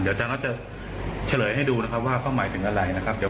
เดี๋ยวอาจารย์ออสจะเฉลยให้ดูนะครับว่าเขาหมายถึงอะไรนะครับ